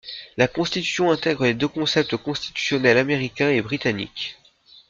La Constitution intègre les deux concepts constitutionnels américains et britanniques.